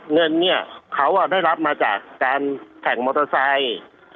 เงินเนี่ยเขาได้รับมาจากการแข่งมอเตอร์ไซค์